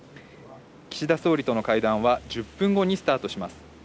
岸田総理との会談は１０分後にスタートします。